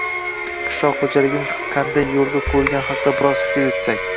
qishloq xo‘jaligimiz qanday yo‘lga qo‘yilgani haqida biroz fikr yuritsak.